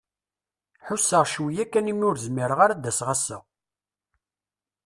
Ḥuseɣ cwiya kan i mi ur zmireɣ ara ad d-aseɣ ass-a.